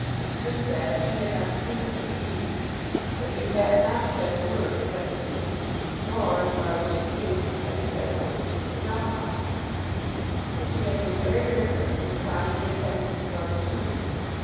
Since that she had seen him, indeed, but he had not said a word to press his suit, nor, as far as she knew, had he said a word to Mr. Melmotte. But she had been very rigorous in declining the attentions of other suitors.